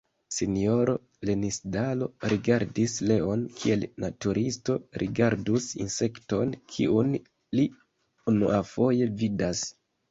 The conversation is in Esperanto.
Sinjoro Lenisdalo rigardis Leon kiel naturisto rigardus insekton, kiun li unuafoje vidas.